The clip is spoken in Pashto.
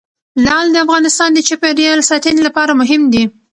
لعل د افغانستان د چاپیریال ساتنې لپاره مهم دي.